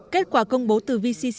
kết quả công bố từ vcci